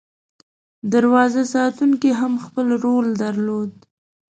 دروازه ساتونکي هم خپل رول درلود.